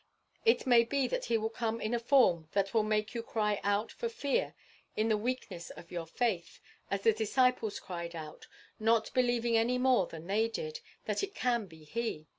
It may be that he will come in a form that will make you cry out for fear in the weakness of your faith, as the disciples cried out not believing any more than they did, that it can be he.